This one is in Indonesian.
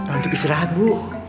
untuk istirahat bu